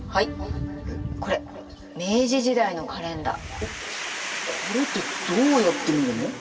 えっこれってどうやって見るの？